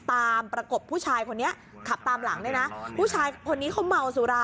ประกบผู้ชายคนนี้ขับตามหลังด้วยนะผู้ชายคนนี้เขาเมาสุรา